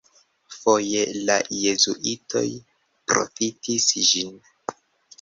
Foje la jezuitoj profitis ĝin.